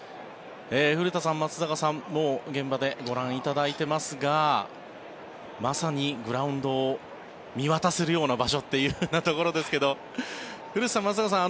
古田さん、松坂さん現場でご覧いただいていますがまさにグラウンドを見渡せるような場所というところですが古田さん、松坂さん